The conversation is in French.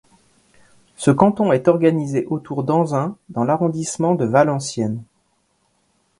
Ce canton est organisé autour d'Anzin dans l'arrondissement de Valenciennes.